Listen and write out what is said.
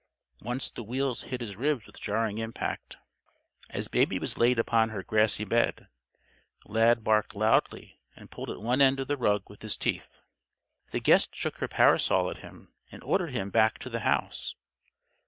Once the wheels hit his ribs with jarring impact. As Baby was laid upon her grassy bed, Lad barked loudly and pulled at one end of the rug with his teeth. The guest shook her parasol at him and ordered him back to the house.